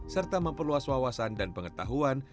serta memperluas wawasan dan pengetahuan